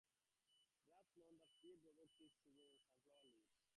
Grubs are known to feed on roots of teak seedlings and sunflower leaves.